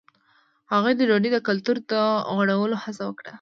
هغوی د ډوډۍ د کلتور د غوړولو هڅه وکړه.